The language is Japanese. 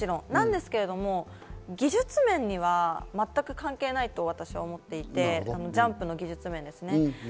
なんですけれども、技術面には全く関係ないと私は思っていて、ジャンプの技術面ですね。